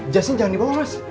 jasnya jangan dibawa mas